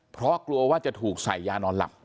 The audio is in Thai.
เพราะกลัวว่าจะถูกใส่ยานอนหลับ